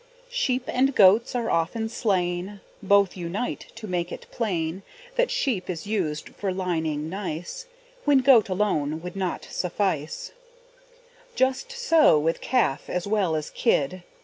Sheep and goats are often slain; Both unite to make it plain That sheep is used for lining nice, When goat alone would not suffice; Just so with calf as well as kid.